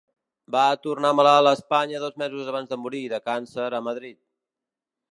Va tornar malalt a Espanya dos mesos abans de morir, de càncer, a Madrid.